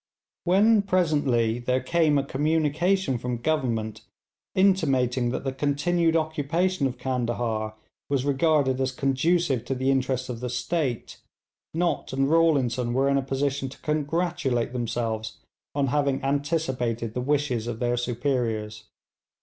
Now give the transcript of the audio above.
When presently there came a communication from Government intimating that the continued occupation of Candahar was regarded as conducive to the interest of the state, Nott and Rawlinson were in a position to congratulate themselves on having anticipated the wishes of their superiors.